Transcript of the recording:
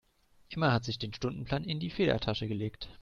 Emma hat sich den Stundenplan in die Federtasche gelegt.